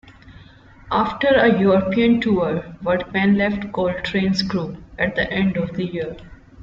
After a European tour, Workman left Coltrane's group at the end of the year.